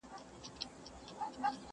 o د خالي توپکه دوه کسه بېرېږي!